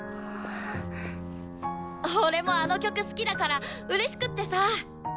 俺もあの曲好きだからうれしくってさ！